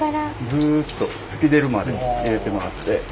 ずっと突き出るまで入れてもらって。